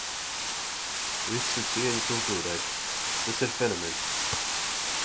Visu cieņu kultūrai. Tas ir fenomens.